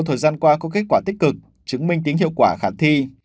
thời gian qua có kết quả tích cực chứng minh tính hiệu quả khả thi